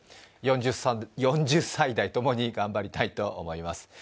４０歳代、共に頑張りたいと思います。